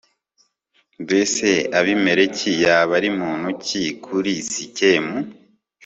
mbese abimeleki yaba ari muntu ki kuri sikemu